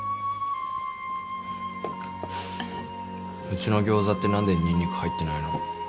うちのギョーザって何でニンニク入ってないの？